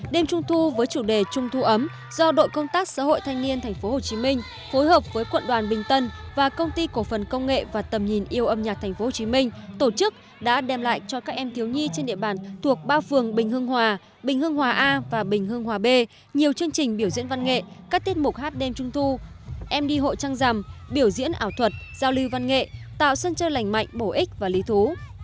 đêm trung thu với chủ đề trung thu ấm do đội công tác xã hội thanh niên tp hcm phối hợp với quận đoàn bình tân và công ty cổ phần công nghệ và tầm nhìn yêu âm nhạc tp hcm tổ chức đã đem lại cho các em thiếu nhi trên địa bàn thuộc ba phường bình hương hòa bình hương hòa a và bình hương hòa b nhiều chương trình biểu diễn văn nghệ các tiết mục hát đêm trung thu em đi hội trang rằm biểu diễn ảo thuật giao lưu văn nghệ tạo sân chơi lành mạnh bổ ích và lý thú